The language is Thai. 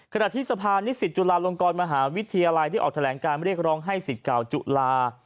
ขณะที่สะพานนิสิตจุฬาลงกรมหาวิทยาลัยได้ออกแถลงการเรียกร้องให้สิทธิ์เก่าจุฬา